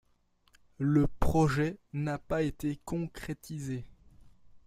Le projet n'a pas été concrétisé.